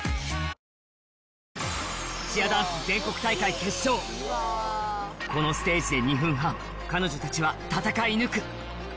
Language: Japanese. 決勝このステージで２分半彼女たちは戦い抜く